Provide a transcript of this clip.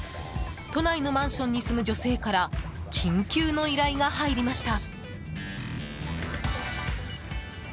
都内のマンションに住む女性から緊急の依頼が入りました。